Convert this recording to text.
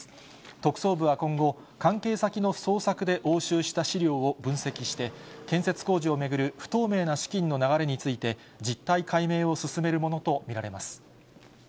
特捜部は今後、関係先の捜索で押収した資料を分析して、建設工事を巡る不透明な資金の流れについて、実態解明を進めるものと見られます。